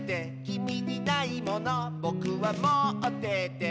「きみにないものぼくはもってて」